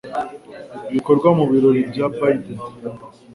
ibikorwa mu Biro bya Biden